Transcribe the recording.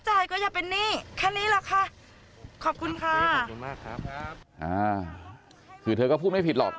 จ่ายก็อย่าเป็นหนี้แค่นี้แหละค่ะขอบคุณค่ะคือเธอก็พูดไม่ผิดหรอก